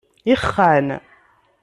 Ixxan.